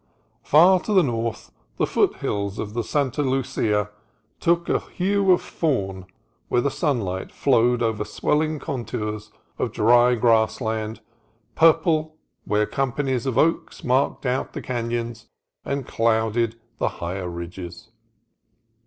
Far to the north the foothills of the Santa HUMORS OF FENCE ADVERTISING 139 Lucia took a hue of fawn where the sunlight flowed over swelling contours of dry grassland, purple where companies of oaks marked out the canons and clouded the higher ridges.